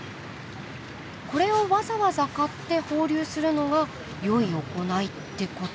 これをわざわざ買って放流するのがよい行いってことか。